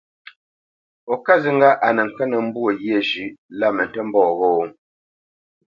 Ó ká zi ŋgâʼ a nə kə́ nə́ mbwô ghyê zhʉ̌ʼ lá mə ntə́ mbɔ̂ ghô ?